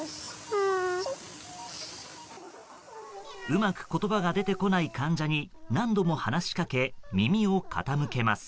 うまく言葉が出てこない患者に何度も話しかけ耳を傾けます。